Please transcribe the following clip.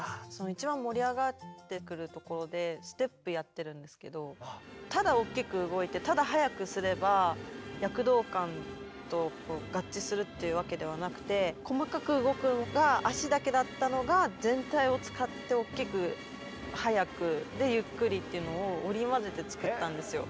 一番盛り上がってくるところでステップやってるんですけどただおっきく動いてただ速くすれば躍動感と合致するっていうわけではなくて細かく動くのが足だけだったのが全体を使っておっきく速くでゆっくりっていうのを織り交ぜて作ったんですよ